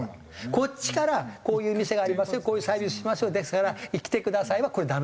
こっちから「こういう店がありますよこういうサービスしますよですから来てください」はこれはダメなんで。